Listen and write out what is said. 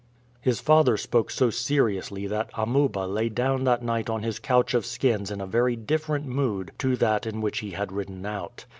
His father spoke so seriously that Amuba lay down that night on his couch of skins in a very different mood to that in which he had ridden out.